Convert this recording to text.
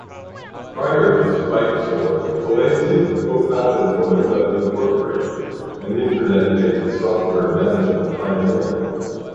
Prior to SpikeSource, Polese co-founded Marimba Incorporated an Internet-based software management pioneer.